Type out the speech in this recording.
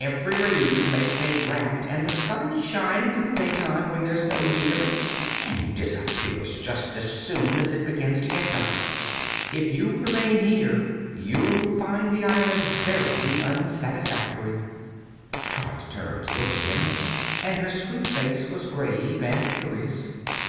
Every breeze makes a draught and the sun shines in the daytime, when there's no need of it, and disappears just as soon as it begins to get dark. If you remain here you'll find the island very unsatisfactory." Trot turned to look at him, and her sweet face was grave and curious.